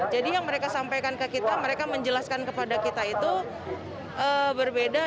jadi yang mereka sampaikan ke kita mereka menjelaskan kepada kita itu berbeda